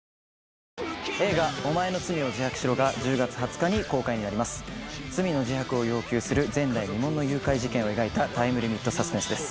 映画「おまえの罪を自白しろ」が１０月２０日に公開になります罪の自白を要求する前代未聞の誘拐事件を描いたタイムリミットサスペンスです